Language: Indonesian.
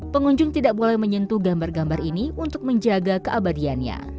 pengunjung tidak boleh menyentuh gambar gambar ini untuk menjaga keabadiannya